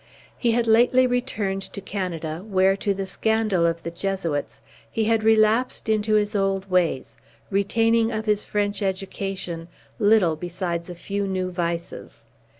He had lately returned to Canada, where, to the scandal of the Jesuits, he had relapsed into his old ways, retaining of his French education little besides a few new vices.